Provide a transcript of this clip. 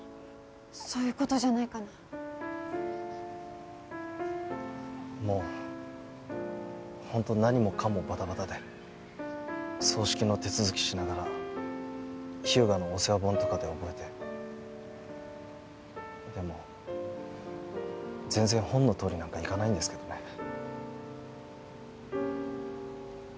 そういうことじゃないかなもうホント何もかもバタバタで葬式の手続きしながら「ひゅうがのおせわぼん」とかで覚えてでも全然本のとおりなんかいかないんですけどね